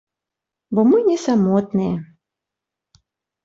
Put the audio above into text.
Бо мы не самотныя.